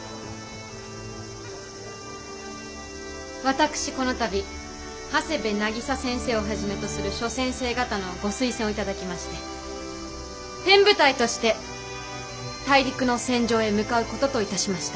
私この度長谷部汀先生をはじめとする諸先生方のご推薦を頂きましてペン部隊として大陸の戦場へ向かう事と致しました。